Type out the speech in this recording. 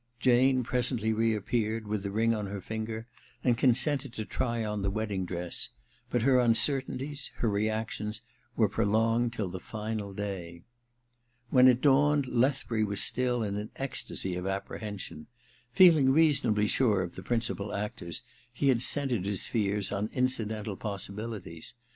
Jane presently reappeared with the ring on her finger, and consented to try on the wedding* dress ; but her uncertainties, her reactions, were prolonged till the final day. When it dawned, Lethbury was still in an ecstasy of apprehension. F^ing reasonably sure of the principal actors he had centred his fears on incidental possibilities.